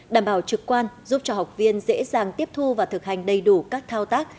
đảm bảo trực quan giúp cho học viên dễ dàng tiếp thu và thực hành đầy đủ các thao tác